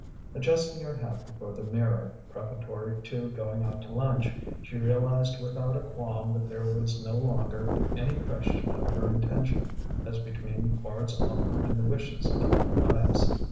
Adjusting her hat before the mirror, preparatory to going out to lunch, she realized without a qualm that there was no longer any question of her intention as between Quard's offer and the wishes of Matthias.